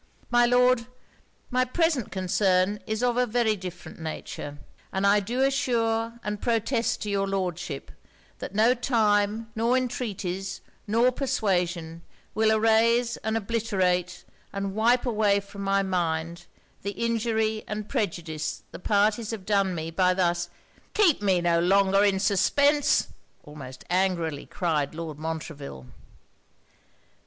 My Lord, my present concern is of a very different nature; and I do assure and protest to your Lordship that no time nor intreaties nor persuasion will erase and obliterate and wipe away from my mind, the injury and prejudice the parties have done me, by thus ' 'Keep me no longer in suspense!' almost angrily cried Lord Montreville.